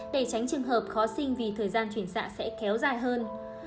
để tránh trường hợp khó sinh vì thời gian chuyển xạ sẽ kéo dài hơn